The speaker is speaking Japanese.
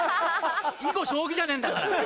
囲碁将棋じゃねえんだから。